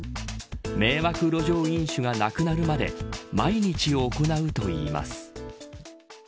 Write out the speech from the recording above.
迷惑路上飲酒がなくなるまで毎日行うといいます。